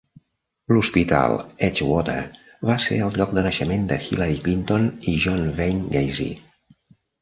L'hospital Edgewater va ser el lloc de naixement de Hillary Clinton i John Wayne Gacy.